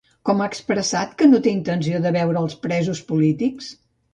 Com ha expressat que no té intenció de veure als presos polítics?